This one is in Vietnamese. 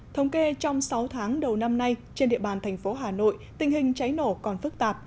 thống kê trong sáu tháng đầu năm nay trên địa bàn thành phố hà nội tình hình cháy nổ còn phức tạp